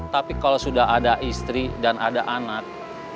tapi kalau sudah ada istri dan ada anak